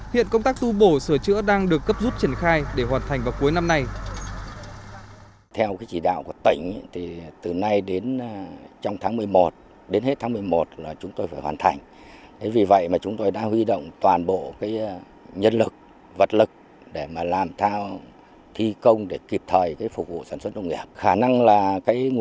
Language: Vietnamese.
hiện công tác tu bổ sửa chữa đang được cấp rút triển khai để hoàn thành vào cuối năm nay